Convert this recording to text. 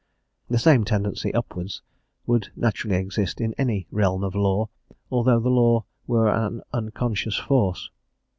The same tendency upwards would naturally exist in any "realm of law," although the law were an unconscious force.